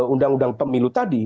undang undang pemilu tadi